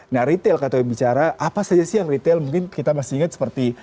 nah retail kata yang bicara apa saja sih yang retail mungkin kita masih ingat seperti